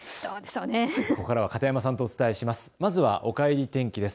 ここからは片山さんとお伝えします。